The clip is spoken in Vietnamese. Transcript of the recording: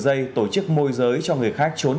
đại hội cấp cơ sở